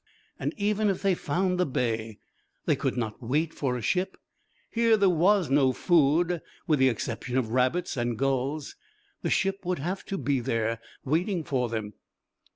And even if they found the bay they could not wait for a ship. Here there was no food, with the exception of rabbits and gulls. The ship would have to be there, waiting for them.